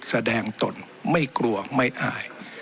ตนไม่กลัวไม่อาย